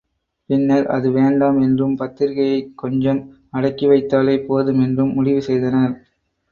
பின்னர் அது வேண்டாம் என்றும் பத்திரிகையைக் கொஞ்சம் அடக்கிவைத்தாலே போதும் என்றும் முடிவுசெய்தனர்.